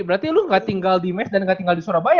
berarti lu gak tinggal di mes dan nggak tinggal di surabaya